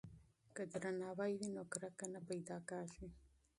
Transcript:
که درناوی وي نو نفرت نه پیدا کیږي.